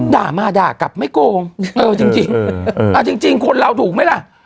ด่ามาด่ากลับไม่โกงเออจริงจริงเออเออเออเออจริงจริงคนเราถูกไหมล่ะ